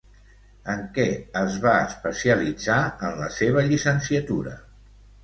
En què es va especialitzar en la seva llicenciatura?